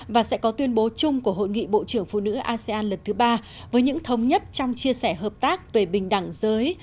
và sẽ có tuyên bố chung của hội nghị bộ trưởng phụ nữ asean lần thứ ba với những thống nhất trong chia sẻ hợp tác về bình đẳng giới